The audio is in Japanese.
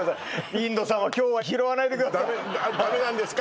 印度さんは今日は拾わないでくださいダメなんですか？